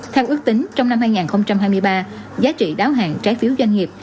theo ước tính trong năm hai nghìn hai mươi ba giá trị đáo hạng trái phiếu doanh nghiệp